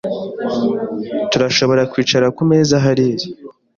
Turashobora kwicara kumeza hariya?